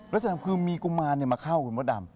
ลักษณะคือมีกุมารมาเข้าคุณมดดำ